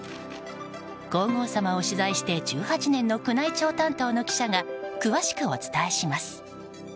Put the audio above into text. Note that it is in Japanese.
皇后さまを取材して１８年の宮内庁担当の記者が詳しくお伝えします。